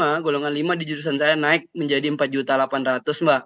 nah golongan lima di jurusan saya naik menjadi empat delapan ratus mbak